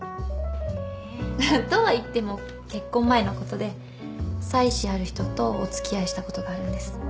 えっ。とはいっても結婚前のことで妻子ある人とお付き合いしたことがあるんです。